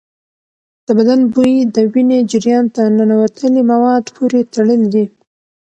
د بدن بوی د وینې جریان ته ننوتلي مواد پورې تړلی دی.